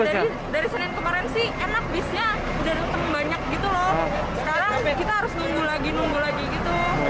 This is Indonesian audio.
dari senin kemarin sih enak bisnya jadi untung banyak gitu loh sekarang kita harus nunggu lagi nunggu lagi gitu